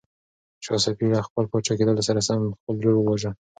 شاه صفي له خپل پاچا کېدلو سره سم خپل ورور وواژه.